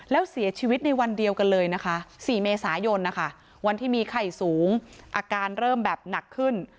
แล้วเสียชีวิตในวันเดียวกันเลยนะคะ๔เมษายนนะคะวันที่มีไข้สูงอาการเริ่มแบบหนักขึ้น